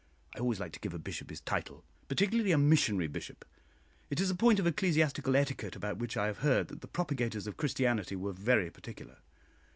I always like to give a bishop his title, particularly a missionary bishop; it is a point of ecclesiastical etiquette about which I have heard that the propagators of Christianity were very particular.